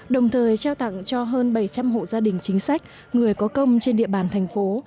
đồng thời trao tặng cho hơn bảy trăm linh hộ gia đình chính sách người có công trên địa bàn thành phố